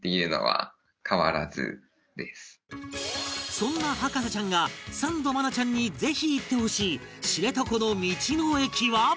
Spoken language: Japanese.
そんな博士ちゃんがサンド愛菜ちゃんにぜひ行ってほしい知床の道の駅は